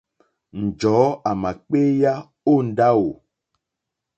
Njɔ̀ɔ́ àmà kpééyá ó ndáwù.